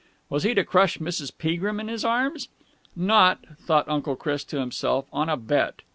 Was he to crush Mrs. Peagrim in his arms? Not, thought Uncle Chris to himself, on a bet.